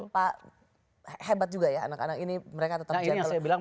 pak hebat juga ya anak anak ini mereka tetap jalan